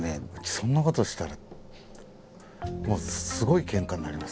そんなことしたらもうすごいけんかになりますね。